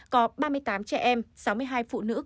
có ba mươi tám trẻ em sáu mươi hai phụ nữ